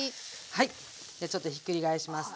はいじゃあちょっとひっくり返しますね。